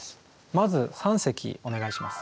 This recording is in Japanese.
まず三席お願いします。